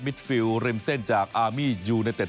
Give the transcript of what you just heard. มิดฟิลล์เริ่มเส้นจากอาร์มียูเนอร์เต็ด